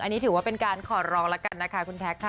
อันนี้ถือว่าเป็นการขอร้องแล้วกันนะคะคุณแท็กค่ะ